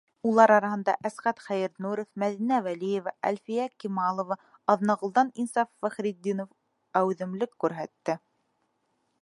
Улар араһында Әсҡәт Хәйернуров, Мәҙинә Вәлиева, Әлфиә Кималова, Аҙнағолдан Инсаф Фәхретдинов әүҙемлек күрһәтте.